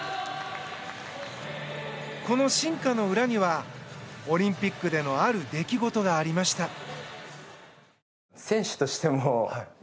この進化の裏にはオリンピックでのある出来事がありました。